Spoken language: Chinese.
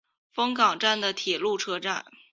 月冈站的铁路车站。